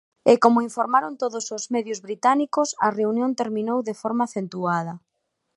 E como informaron todos os medios británicos, a reunión terminou de forma acentuada.